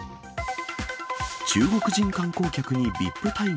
中国人観光客にＶＩＰ待遇。